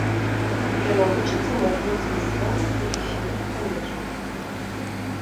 Яна вучыцца ў адным з мясцовых прафесійных каледжаў.